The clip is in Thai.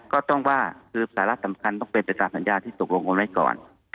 ก็ต้องว่าคือสาระสำคัญต้องเป็นไปตามสัญญาที่ตกลงกันไว้ก่อน